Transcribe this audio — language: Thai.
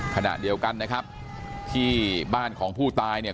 ขณะเดียวกันนะครับที่บ้านของผู้ตายเนี่ย